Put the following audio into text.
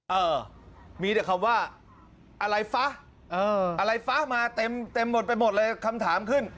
เออมีแต่คำว่าอะไรฟะอะไรฟะมาเต็มเต็มหมดไปหมดเลยคำถามขึ้น